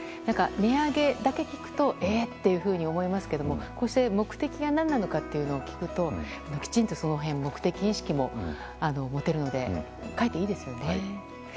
値上げだけ聞くとえっていうふうに思いますけどもこうして目的が何なのかを聞くときちんとその辺目的意識も持てるのでかえって、いいですよね。